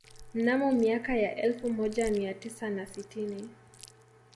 Mnamo miaka ya elfu moja mia tisa na sitini